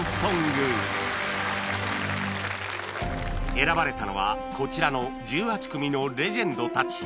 選ばれたのはこちらの１８組のレジェンドたち